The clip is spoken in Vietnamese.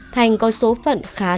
thành có số phận khá lạ